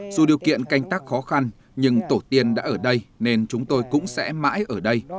dù điều kiện canh tác khó khăn nhưng tổ tiên đã ở đây nên chúng tôi cũng sẽ mãi ở đây